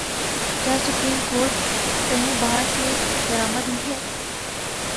کیا supreme court کہیں باہر سے درآمد ہوئی ہے؟